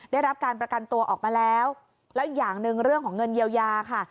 ได้รับการประกันตัวออกมาแล้วแล้วอีกอย่างหนึ่งเรื่องของเงินเยียวยาค่ะ